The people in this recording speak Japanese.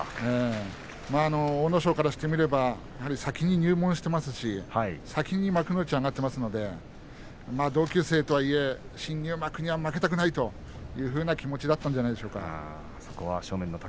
阿武咲からしてみれば先に入門していますし先に幕内に上がっていますので同級生とはいえ新入幕には負けたくないという気持ちだったんじゃないでしょうか。